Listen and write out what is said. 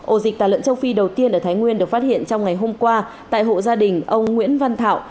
ổ dịch tà lợn châu phi đầu tiên ở thái nguyên được phát hiện trong ngày hôm qua tại hộ gia đình ông nguyễn văn thảo